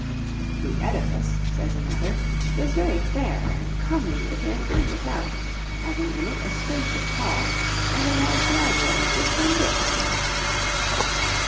" "The edifice," says another, "is very faire and comely within and without, having in it a spacious hall, and a large library with some bookes to it."